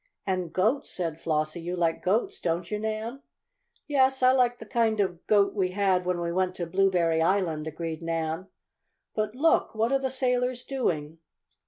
"And goats," said Flossie. "You like goats, don't you, Nan?" "Yes, I like the kind of a goat we had when we went to Blueberry Island," agreed Nan. "But look! What are the sailors doing?"